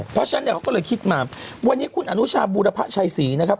เพราะฉะนั้นเนี่ยเขาก็เลยคิดมาวันนี้คุณอนุชาบูรพะชัยศรีนะครับ